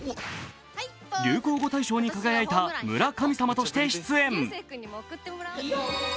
流行語大賞に輝いた村神様として出演。